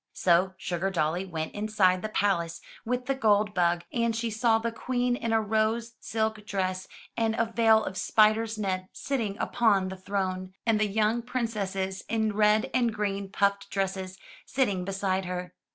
*' So SugardoUy went inside the palace with the gold bug and she saw the Queen in a rose silk dress and a veil of spider's net, sitting upon the throne, and the young princesses in red and green puffed dresses, sit ting beside her.